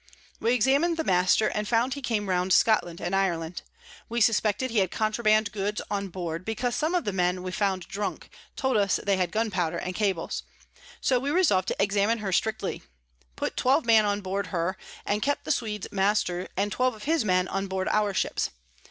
We examin'd the Master, and found he came round Scotland and Ireland. We suspected he had Contraband Goods on board, because some of the Men we found drunk, told us they had Gunpowder and Cables; so we resolv'd to examine her strictly, put 12 Men on board her, and kept the Swedes Master and 12 of his Men on board our Ships.